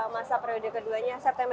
masa periode keduanya september